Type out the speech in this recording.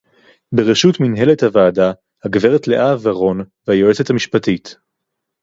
בראשות מנהלת הוועדה הגברת לאה ורון והיועצת המשפטית